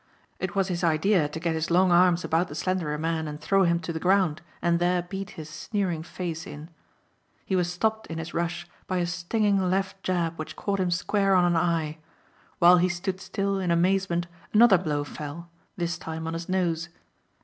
It was his idea to get his long arms about the slenderer man and throw him to the ground and there beat his sneering face in. He was stopped in his rush by a stinging left jab which caught him square on an eye. While he stood still in amazement another blow fell, this time on his nose.